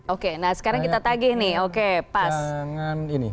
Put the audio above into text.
oke nah sekarang kita tagih nih